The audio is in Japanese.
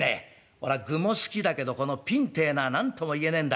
俺はグも好きだけどピンってえのは何とも言えねえんだ。